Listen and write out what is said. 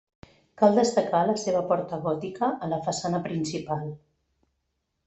Cal destacar la seva porta gòtica a la façana principal.